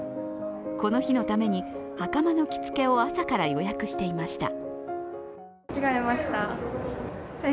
この日のために、はかまの着付けを朝から予約していました。